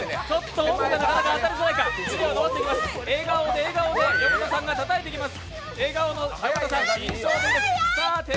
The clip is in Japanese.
笑顔で笑顔で、横田さんがたたいていきます。